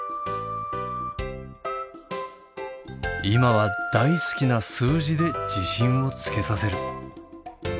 今は大好きな数字で自信をつけさせる。